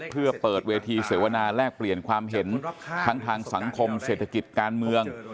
เพื่อเปิดเวทีเสวนาแลกเปลี่ยนความเห็นทั้งทางสังคมเศรษฐกิจการเมือง